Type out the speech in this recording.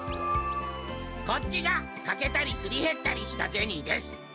こっちがかけたりすりへったりした銭です。